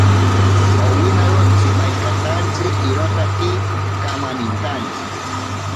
Owinaro tsimainkatantsi irotaki kamanintantsi.